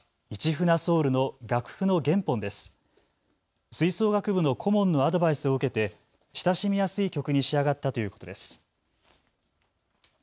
吹奏楽部の顧問のアドバイスを受けて親しみやすい曲に仕上がったということです。